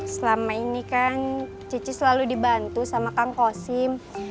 selama ini kan cici selalu dibantu sama kang kosim